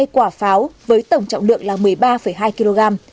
ba mươi hai quả pháo với tổng trọng lượng một mươi ba hai kg